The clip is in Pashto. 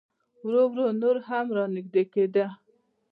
ورو ورو نور هم را نږدې کېده.